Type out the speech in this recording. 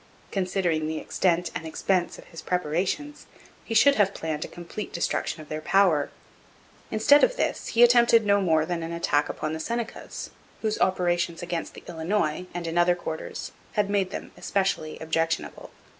Considering the extent and expense of his preparations, he should have planned a complete destruction of their power. Instead of this he attempted no more than an attack upon the Senecas, whose operations against the Illinois and in other quarters had made them especially objectionable.